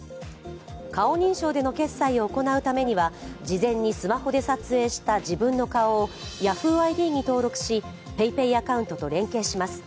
顔認証だけでの決済を行うためには、事前にスマホで撮影した自分の顔写真をＹａｈｏｏ！ＩＤに登録し、ＰａｙＰａｙアカウントと連携します。